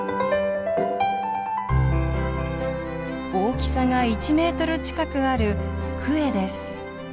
大きさが１メートル近くあるクエです。